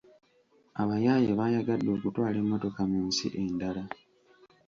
Abayaaye baayagadde okutwala emmotoka mu nsi endala.